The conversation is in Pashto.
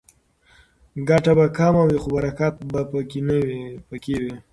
ګټه به کمه وي خو برکت به پکې وي.